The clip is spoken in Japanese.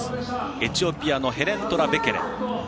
エチオピアのヘレン・トラ・ベケレ。